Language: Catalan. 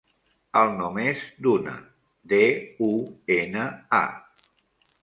El nom és Duna: de, u, ena, a.